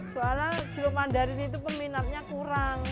soalnya grup mandarin itu peminatnya kurang